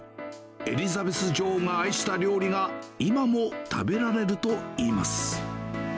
エリザベス女王が愛した料理が、今も食べられるといいます。